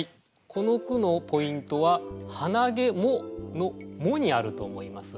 この句のポイントは「はなげも」の「も」にあると思います。